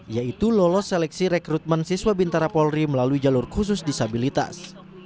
yaitu lolos seleksi rekrutmen siswa bintara polri melalui jalur khusus disabilitas